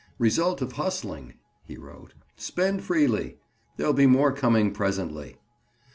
"Result of hustling," he wrote. "Spend freely. There'll be more coming presently."